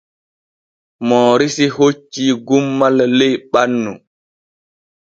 Mooriisi hoccii gummal ley ɓunnu.